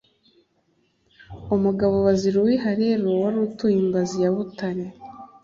umugabo baziruwiha rero wari utuye i mbazi ya butare